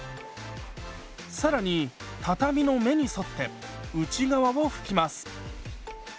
更に畳の目に沿って内側を拭きます。